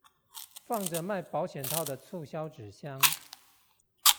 放著賣保險套的促銷紙箱